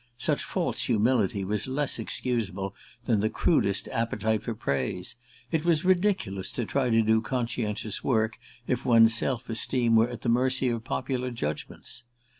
Such false humility was less excusable than the crudest appetite for praise: it was ridiculous to try to do conscientious work if one's self esteem were at the mercy of popular judgments.